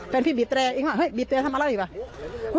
แฟนพี่บิดแรงอีกแล้วเฮ้ยบิดแรงทำอะไรแล้วอีกแล้ว